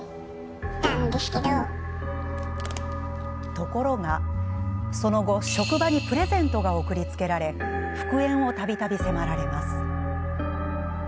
ところが、その後職場にプレゼントが送りつけられ復縁をたびたび迫られます。